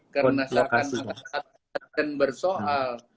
karena saya akan akan bersoal